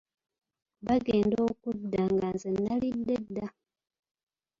Bagenda okudda nga nze nalidde dda.